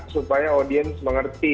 supaya audiens mengerti